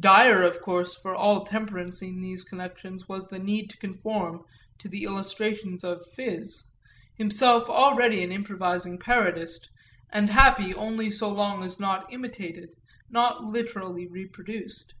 Dire of course for all temperance in these connections was the need to conform to the illustrations of Phiz, himself already an improvising parodist and happy only so long as not imitated, not literally reproduced.